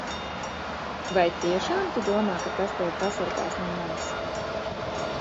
Vai tiešām tu domā, ka tas tevi pasargās no manis?